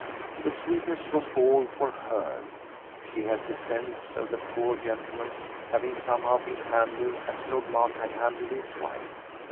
The sweetness was all for HER; she had the sense of the poor gentleman's having somehow been handled as Lord Mark had handled his wife.